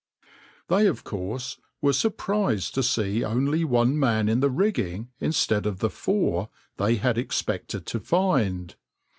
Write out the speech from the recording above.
\par They of course were surprised to see only one man in the rigging instead of the four they had expected to find.